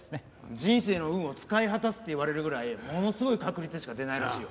「人生の運を使い果たす」っていわれるぐらいものすごい確率しか出ないらしいよ。